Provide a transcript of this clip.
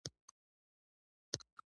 تر هغې کلا پورې داسې نیم ساعت پلي مزل و.